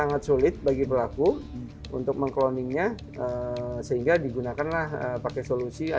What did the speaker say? sangat sulit bagi pelaku untuk meng cloningnya sehingga digunakanlah pakai solusi